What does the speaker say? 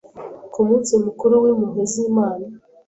ku munsi mukuru w’Impuhwe z’Imana